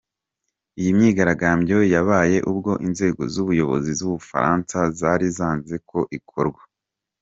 Iyi myigaragambyo yabaye ubwo inzego z’ubuyobozi z’Ubufaransa zari zanze ko ikorwa.